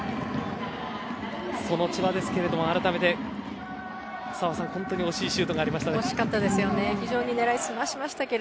その千葉ですが、改めて澤さん、本当に惜しいシュートがありましたね。